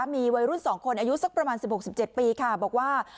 มีวัยรุ่นสองคนอายุสักประมาณสิบหกสิบเจ็ดปีค่ะบอกว่า